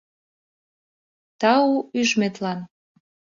— Тау ӱжметлан.